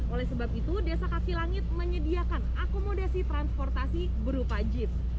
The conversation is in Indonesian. oleh sebab itu desa kaki langit menyediakan akomodasi transportasi berupa jeep